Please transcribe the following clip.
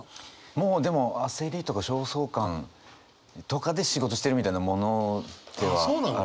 もうでも焦りとか焦燥感とかで仕事してるみたいなものではありますからね。